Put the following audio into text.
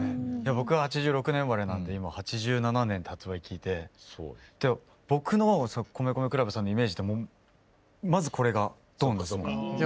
僕は８６年生まれなので今８７年って発売聞いて僕の米米ＣＬＵＢさんのイメージってまずこれがドン！ですもん。